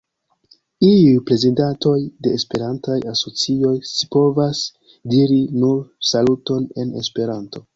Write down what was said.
Iuj prezidantoj de Esperantaj asocioj scipovas diri nur "Saluton" en Esperanto.